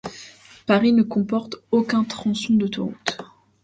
Paris ne comporte aucun tronçon d'autoroute.